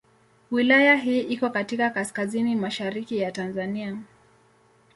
Wilaya hii iko katika kaskazini mashariki ya Tanzania.